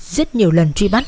rất nhiều lần truy bắt